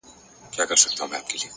لم د انسان ارزښت زیاتوي!.